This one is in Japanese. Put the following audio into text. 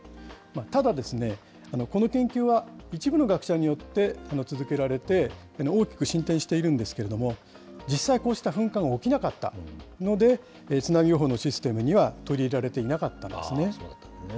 ただ、この研究は、一部の学者によって続けられて、大きく進展しているんですけれども、実際、こうした噴火が起きなかったので、津波予報のシステムには取り入れられていなかったんですね。